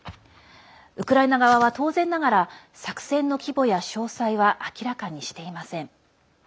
ウクライナ側は当然ながら作戦の規模や詳細は明らかにしていません。